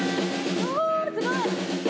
おおすごい！